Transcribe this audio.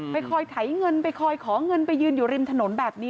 คอยไถเงินไปคอยขอเงินไปยืนอยู่ริมถนนแบบนี้